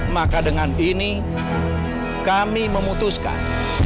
maka dengan ini kami memutuskan